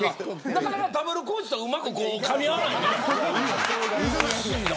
なかなか、ダブルコウジとうまくかみ合わないよね。